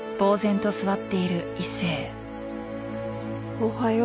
おはよう。